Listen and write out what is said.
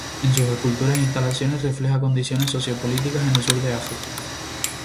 En sus esculturas e instalaciones, refleja las condiciones socio-políticas en el sur de África.